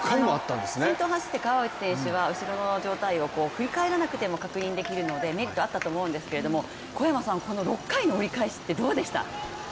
先頭を走っている川内選手は後ろの状態を振り返らなくても確認できるのでメリットがあったと思うんですけど小山さん、この６回の折り返しってどうでした？